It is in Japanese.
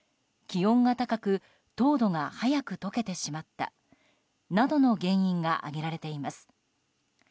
気温が高く凍土が早く解けてしまったなどの原因が挙げられています。